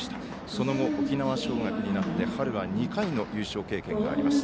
その後、沖縄尚学になって春は２回の優勝経験があります。